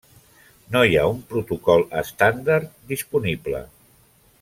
No hi ha un protocol estàndard disponible.